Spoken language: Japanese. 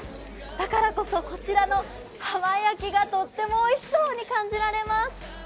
だからこそこちらの浜焼きがとってもおいしそうに感じられます。